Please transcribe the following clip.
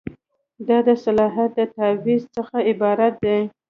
دا د صلاحیت د تعویض څخه عبارت دی.